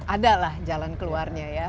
ada lah jalan keluarnya ya